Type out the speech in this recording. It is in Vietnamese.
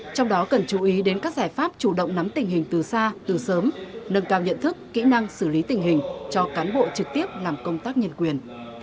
trong đó cần chú ý đến các giải pháp chủ động nắm tình hình từ xa từ sớm nâng cao nhận thức kỹ năng xử lý tình hình cho cán bộ trực tiếp làm công tác nhân quyền